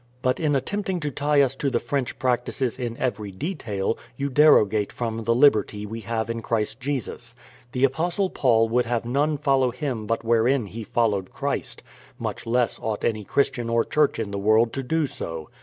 But in attempting to tie us to the French practices in every detail, you derogate from the liberty we have in Christ Jesus. The Apostle Paul would have none follow him but wherein he followed Christ; much less ought any Christian or Church in the world to do so.